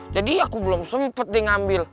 jadi aku belum sempet deh ngambil